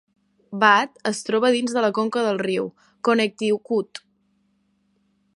Bath es troba dins de la conca del riu Connecticut.